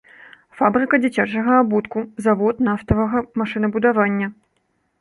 Фабрыка дзіцячага абутку, завод нафтавага машынабудавання.